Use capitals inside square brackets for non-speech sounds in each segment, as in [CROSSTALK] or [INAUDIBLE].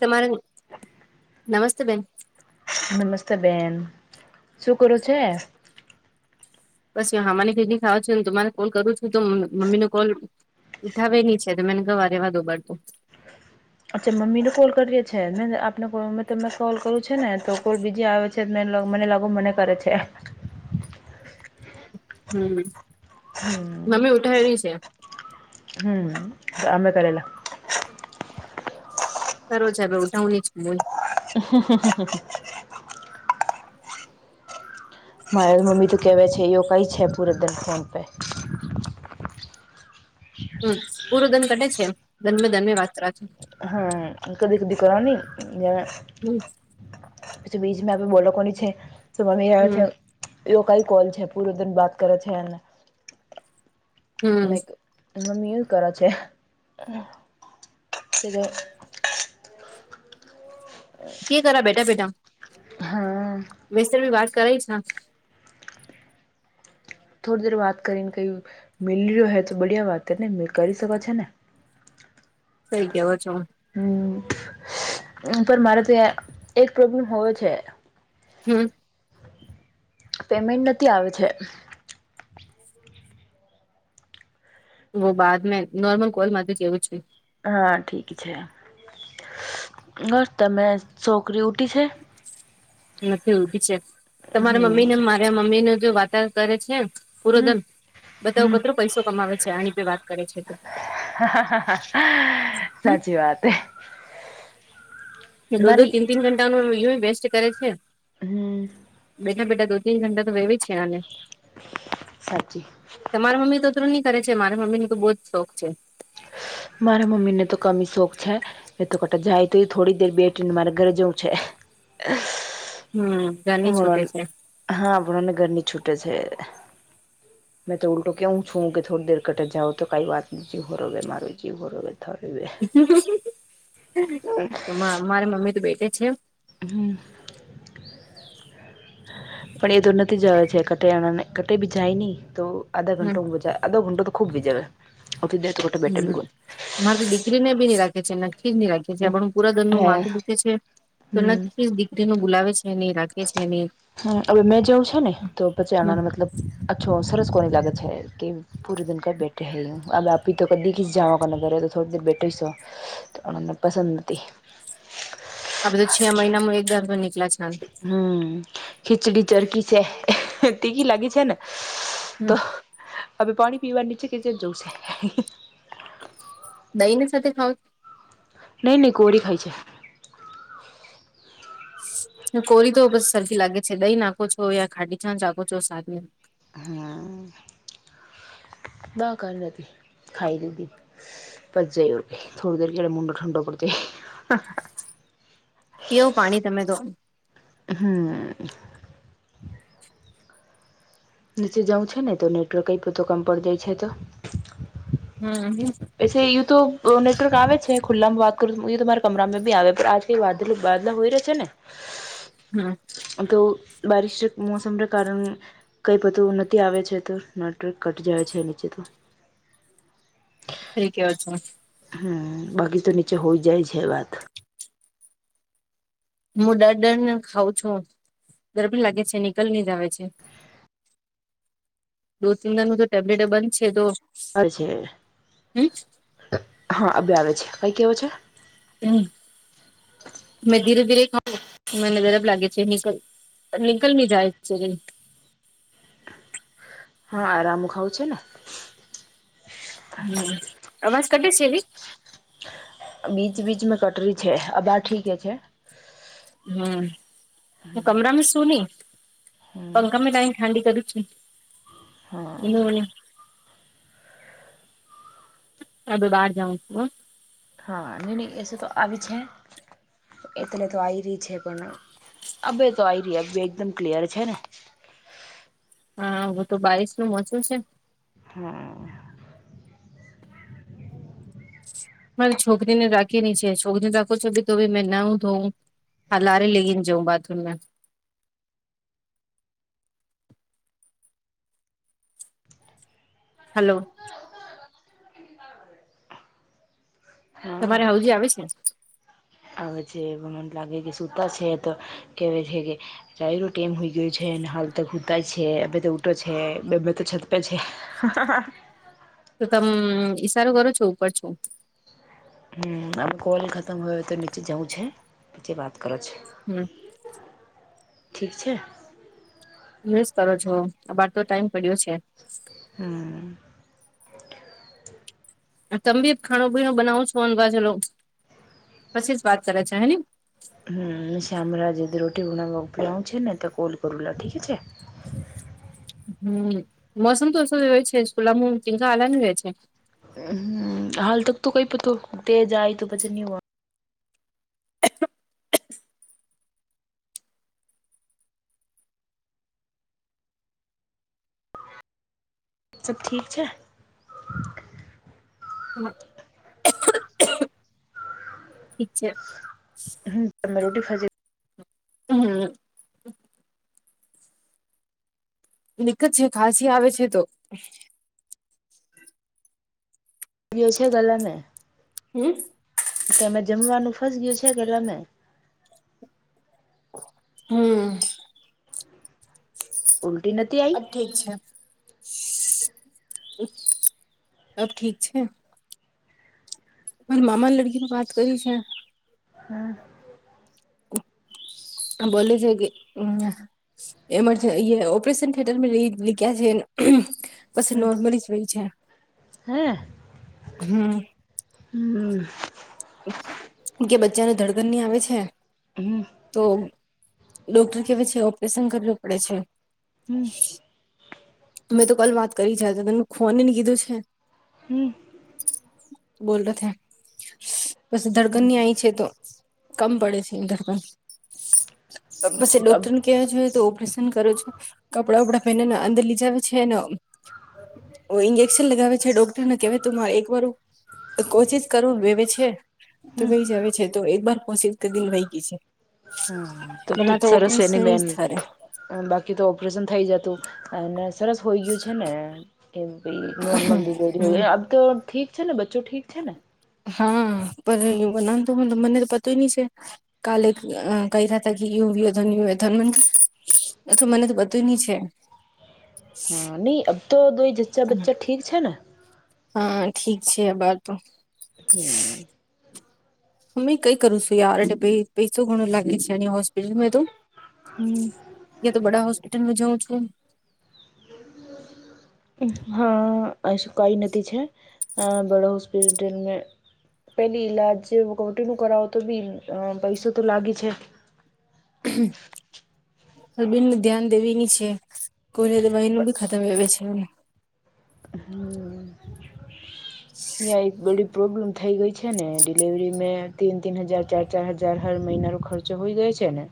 તમારે નમસ્તે બેન નમસ્તે બેન શું કરું છે. પસ હામાની કિડની ખાવ છું, તમારે કોલ કરું છું, તો મમ્મી ન કોલ ઉઠાવે ની છે, તો મને ગવા ર રહેવા દોબડ તો અચ્છા મમ્મીને કોલ કરીએ છીએ મેને આપને તમરે કોલ કરવું છે, ને તો કોલ બીજી આવે મને લાગુ મને કરે છે. હમ. હમ મમ્મી ઉઠાવે નહી છે હમ આમે કલેલા કરરો છે, હવે ઉઠાવ જ હમ. મારે મમ્મી તો કેહેવા છે, એું કઈ છે, પૂરેત દર ફોન પે હમ પૂરો દન કટે છે, ધન દન વાત કર છો હા કદી કદી કરોની જે હમ્મ પછી બીજં બોલોકોની છે હમ [UNINTELLIGIBLE] એઓ [UNINTELLIGIBLE] હમ [UNINTELLIGIBLE] કે કરા બેટા બેટા હા [UNINTELLIGIBLE] ભી વાત કરાઈ છે. થોડી દેર વાત કરીને કઈ મિલ્યું હ તો બડિયા વાતને કરી શકો છેો ને. થઈ [UNINTELLIGIBLE] છો હમ પણ મારે થી એક પ્રોબ્લેમ હોયો છે. હમ્મ. પેમેન્ટ નથી આવે છે. વો બાદ મે નોર્મલ કોલ મા [UNINTELLIGIBLE] હા ઠીક છે બસ તમે છોકરી ઉઠી છે નથી ઉભી છે તમારા મમ્મી હમ ને મારે મમ્મી નું જો વાર્તાવર કરે છે પૂરો હમ દન બધા હમ કતરો પૈસો કમાવે છે આણીપે વાત કરે છે હમ સાચી વાત હે દો દો મારી તીન તીન ઘંટા નો વિડિયો વેસ્ટ કરે છે. હમ્મ બેઠા બેઠાં દો ટીન ઘટા તો વવી જ છે આને સાચી તમારે મમ્મી તો તું નહી કરે છે મારા મમ્મી ન તો બહુ જ શોખ છે. મારા મમ્મીને તો કમ શોખ છે મેં તો કટા જાય તો થોડી દેર બેઠીને મારે ઘરે જવું છે. [INAUDIBLE] હમ્મ ઘરની છૂટે છે. હા આપણને ઘરની છૂટે છે. મેં તો ઉલટો કેવું છું કે થોડી દેર કટ જાાવ તો કઈ વાત નથી [UNINTELLIGIBLE] [INAUDIBLE] તો મારે મમ્મી તો બેઠ છેમ હમ [INAUDIBLE] પણ એ તો નથી જવા છે ક કટે બી જાય નહી તો આધા ઘંટો હજ અધો ઘંટો તો ખુબ ભીજે બેઠે હમ બી મારે તો દીકરી ને બી [UNINTELLIGIBLE] આપણ હું પુરા દન નનું હે માથું દુખે છે તો નકી દીકરી નું બોલાવે છે નહીં રાખે છે નહી હમ હવે મેં જવું છે ને તો પછી આનોને મતલબ અચ્છો સરસ કોની લાગત છેૈ કે પૂરે દિન કર બેઠે હૈ અ તો કદી ઘીસી જાણો કર ઘરે તો થડી દેર બેઠો છો તોને પસંદ નથી આ બધું છે મહિનામાં એક દર નીકળ્યા છે. હમ ખીચડી ચરકી છે તી કી લાગી છે ને હમ તો હવે પાણી પીવા નીચે કે જે જવ છે દહી ની સાથે ખાવ નહી નહી કોરી ખાય છે. કોરી તો બસ સરખી લાગે છે દઈ નાખો છો યા ખાડી છાં ચાખો છો સાને હમ દા કરી હતી ખાઈ દીધી પછ જઈવર કે થોડી દર કેળ મુડો ઠંડ પડતી પીવું પાણી તમે ધોનું હમ્મ નીચે જઉં છે ને તો નેટવર્ક એ તો કમ પડી જાય છે તો હમ હ એસે યુ તો નેટવર્ક આવે છે ખુલ્લામાં વાત કરું યુ તમારા કમરામાં ભી આવે આજ વા વાદલા હોય ર છે ને હમ્મ. તો બારિશ મોસમ ર કારણ કંઈ બધું નથી આવે છે, તો નટર્ક કટી જાય છે, નીચે તો ઠક હ છે. હમ બાકી તો નીચે હોઈ જાય છે, વાત હું ડર ડર ને ખઉં છું ગરબી લાગે છે, નીકળ ની જ આવે છે. દો તિન દણ નું તો ટેબલેટ બન છે, તો હ છે, હમ હા અ બે આવે છે, કઈ કેવો છે. હમ મે ધીરે ધીરે ખાવ મને જરાબ લાગે છે, હ નીકલ ની જાય છે. હા આરામ ખાવં છે, ને હમ અમાસ કઢ છેલી બીજ બીચ મે કટરી છે, આ બાર ઠીક છે. હમ હું કમરામાં સુું નહી હમ પંખામાં ત ઠાંડી કર છે. હા [UNINTELLIGIBLE] અ બાર જાઉ હા ન એસ તો આવીત છે. એટલે તો આવી રહી છે, પણ અબે તો આવી રહી અબે એકદમ ક્લિયર છે, ને હા હું તો બારિશ નું મોસમ છે. હમ. મારી છોકરીને રાખી ની છે, છોકરીને રાખો છો ભી તો મૈં નાયુ થોયું. હાલ હારે લઈને જઉ બાથરૂમ માં હલો. હા તમારે આવજી આવે છે? આવે છે, મન લાગે કે સુતા છે, તો કે છે, કે રાય ન ટાઈમ હોય ગયયો છે, ને હાલ તો હુંતા છે, અ તો ઉટો છે, તો છતપે છે. હા હા. તો તમે ઈશારો કરો છો ઉપર છો હમ આ કોલ ખતમ હોય હોય તો નીચે જવું છે નીચે વાત કરો છે. હમ. ઠીક છે. યુઝ કરો છો આ બાર તો ટાઈમ પડ્યો છે. હમ. તમે બી ખાણું પીણું બનાવ છો અને બાજો લો પછી જ વાત કરે છે. ની હ અમરા જેદી રુટી બણાવવા ઉપ આવઉં છે, ને તો કોલ કરુલા ઠીક છે. હમ મોસમ તો અસ હોય છે, કુલામાં ચિંકા આલાની રહે છે. હાલ તો કઈ પત તે જાય તો પછી નહ હો [INAUDIBLE] સબ ઠીક છે? હમ. ઠીક છે. હમ તમે રોટી ખા હમ. દિકત છે, ખાંસી આવે છે, તો યો છે, ગલા ને [UNINTELLIGIBLE] તમે જમવાનું ફસ ગયું છે, ગલેમે હમ. ઉલટી નથી આઈ અબ ઠીક છે, અબ ઠીક છે. મારી મામા લડકી વાત કરી છે. હ હા હ બોલી છે કે હમ? એમરજ ઓપરેેશન થયટર રખ્યા છે. બસ નોર્મલી જ વહી છે. હા હમ હમ કે બચ્ચાને ધડગન ની આવે છે. હમ તો ડોક્ટર કેવા છે ઓપરેશન કરવું પડે છે હમ અમે તો કલ વાત કરી જ હતા ત ખોનીને કીધું છે હમ બોલ ર થ બસ ધડકન ની આહીં છે, તો કમ પડે છે ધરકન પછી અચ્છા તો અબ ડોક્ટર ને કેયે છે તો ઓપરેશન કરો છ કપડા વપડા પહેરને અંદર લીજાવી છે ના ઈન્જેક્શન લગાવે છે ડોક્ટરને કેહેય તું મારે એક વાર કોશિશ કરું વવે છે. છે તો હમ કઈ જ આવે છે તો એક બર પોહચી કે દય વાયગી છે હ તબ એના તો સરસ ઓપરેશન એની જ બેન થ બાકી તો ઓપરેશન થઇ જતું અને સરસ હોઈ ગયું છે ને એમ ભ નોર્મલ ડિરી હમ હોય આમ તો ઠીક છે ને બચ્ચો ઠીક છે ને. હા પણ એ બ ના તો મને તો પતોય નહી છે કાલે કઈ યું ધન યુ ધ મ અથ મને તો બધું ની છે. હા નઈ અબ તો દઈ જચ્ચા બચ્ચા ઠીક છે ને.? હા ઠીક છે, એ બર તો હમ. હ કઈ કરું છું યાર પ પૈસો ઘણું લાગે છે, હોસ્પિટલ મે તો હમ. યા તો બડા હોસ્પિટલમાં જઉં છુ. [INAUDIBLE] હા એસ કઈ નથી છે, બડો હસ્પિટલમાં. પેલી ઈલાજ કવરી નું કરાવો તો બી પૈસો તો લાગી છે. [INAUDIBLE] હબીન ધ્યાન દેવી ન છે. કોઈને દવાઈ નું બી ખતમ આવે છે. હમ ય બડી. પ્રોબ્લેમ થઈ ગઈ છે ને ડિલવરી મે તીન તીન હજાર ચાર ચાર હજાર હર મહિનાનો ખર્ચો હોઈ ગયો છે ને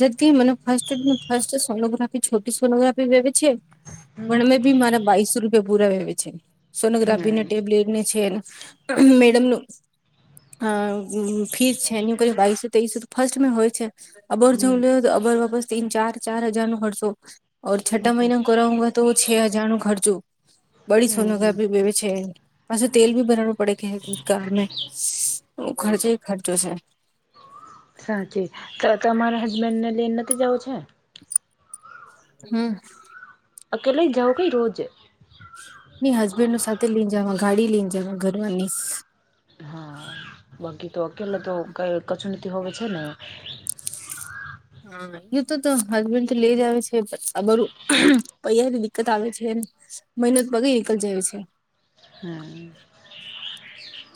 જ મ ફ ફ સોનગ્રાફી છોટી સોનગ્રાફી ભ છે. હમ પણ અમે ભી મારા બઈસો રૂપિયા પુરા વવે છે. સોનોગ્રાફી ના ટેબલેટને છે મેડમનું. ‌ હ ફીર છેનઇસ તઇસ તો ફર્સ્ટ મે હોય છે. અબર હમ જો લ તો અબર વાપસ તીન ચાર ચાર હજાર નો ખરસો ર છઠા મહિના કોઉુ તો છે હજાર નું ખર્ચું. બડી હમ સોનગી બે છે પાસે તેલ ભી ભરાવું પડે કે કાર. ખર્ચો ખર્ચો છે. સાચી તમારા હસબેન્ડ ને લઈને નથી જવ છે. હમ. અકેલા જાઓ કઈ રોજે. ની હસબેન્ડો સાથે લઈને જવા ગાડી લઈને જવા ઘરમાંની હા બાકી તો અકેલા તો કઈ કચુંનીતી હોય છે ને હા. યે તો હસબેન્ડ તો લઈ જ આવે છે. આ બરું પૈની દિકકત આવે છે. મહેનત પગે નીકળ જાય છે. હમ.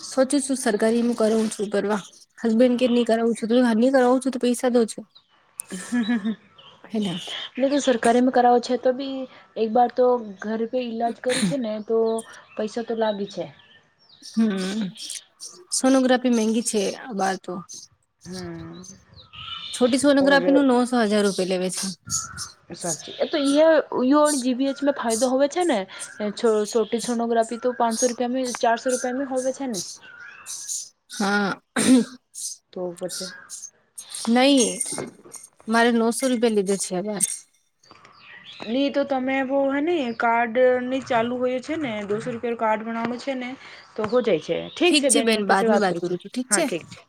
સોચું છું, સરકારી નું કરું છું કરવા હસબેન્ડ કે નહીં કરાવું છું, તમે હર ની કરાવું છો તો પૈસા દો હમ. હેના એટલે કે સરકારીમાં કરાવો છે, તો બી એકવાર તો ઘરે પ ઈલાજ કરી છે, ને તો પૈસા તો લાભી છે. હમ સોનોગ્રાફી મગી છે. બહાર તો હમ છોટી સોનોગ્રાફી ન ઓર નવસો હજાર રૂપિયા લેવે છે. સાબચી એ તો ઇયો જી બી એચમાં ફાયદો હોવય છે, ને છોટી છોટગ્રાફી તો પાંચસો રૂપિયા ચારશો રૂપિયાી હો છે, ને હા તો પછી નહી મારે નવસો રૂપિયા લીધો છે, હવ નહી તો તમે બહ હે ને કાર્ડ નહી ચાલુ હોય છે, ને દોસો રૂપિયાનું કાર્ડ બનાવો છે, ને તો હો જાય છે. ઠીક છે, બેન પછી વાત કરું છે, હા ઠીક છે.